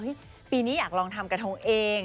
ปีนี้อยากลองทำกระทงเอง